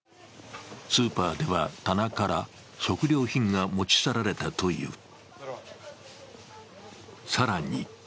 スーパーでは、棚から食料品が持ち去られたという。